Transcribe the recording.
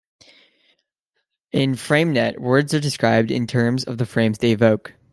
In FrameNet, words are described in terms of the frames they evoke.